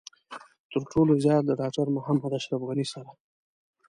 تر ټولو زيات له ډاکټر محمد اشرف غني سره.